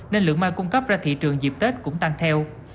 nên lượng mai cung cấp ra thị trường dịp tết cũng tăng theo